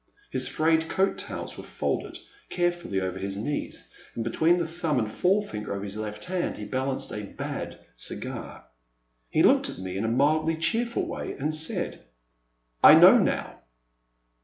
His frayed coat tails were folded carefully over his knees, and between the thumb and forefinger of his left hand he balanced a bad dgar. He looked at me in a mildly cheerful way, and said, I know now.